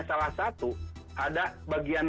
salah satu ada bagian